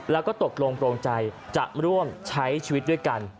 แล้วก็ตกลงโปรงใจจะร่วมใช้ชีวิตด้วยกัน